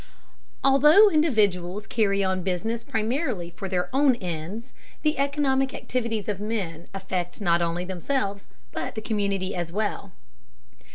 Although individuals carry on business primarily for their own ends, the economic activities of men affect not only themselves, but the community as well.